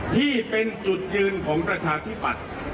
ที่เป็นจุดยืนของประชาธิปัตย์